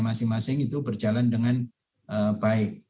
masing masing itu berjalan dengan baik